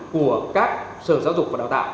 của các sở giáo dục và đào tạo